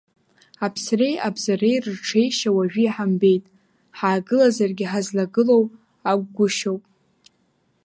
Аԥсреи абзареи рырҽеишьа уажәы иҳамбеит, ҳаагылазаргьы ҳазлагылоу акәгәышьоуп.